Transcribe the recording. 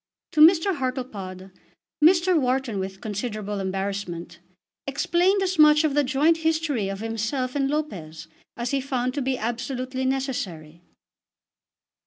To Mr. Hartlepod Mr. Wharton, with considerable embarrassment, explained as much of the joint history of himself and Lopez as he found to be absolutely necessary.